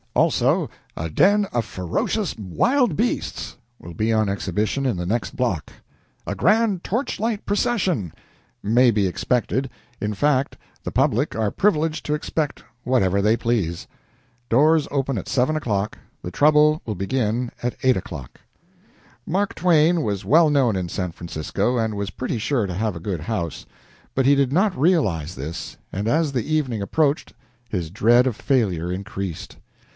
Also A DEN OF FEROCIOUS WILD BEASTS will be on exhibition in the next block. A GRAND TORCHLIGHT PROCESSION may be expected; in fact, the public are privileged to expect whatever they please. Doors open at 7 o'clock. The trouble to begin at 8 o'clock. Mark Twain was well known in San Francisco, and was pretty sure to have a good house. But he did not realize this, and, as the evening approached, his dread of failure increased.